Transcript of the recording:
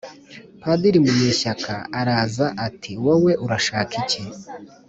Padiri Munyeshyaka araza ati “wowe urashaka iki